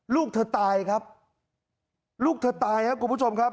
ลูกเธอตายครับลูกเธอตายครับคุณผู้ชมครับ